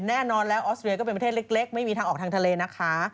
แน่นอนแล้วออสเตรียก็เป็นประเทศเล็กไม่มีทางออกทางทะเลนะคะ